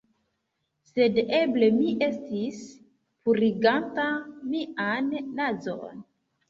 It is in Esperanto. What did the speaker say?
Sed eble mi estis puriganta mian nazon